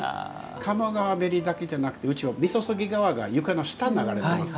鴨川べりだけじゃなくてうちはみそそぎ川が床の下を流れてます。